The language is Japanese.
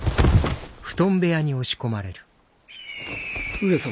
上様！